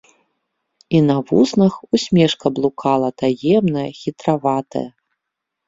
І на вуснах усмешка блукала таемная, хітраватая.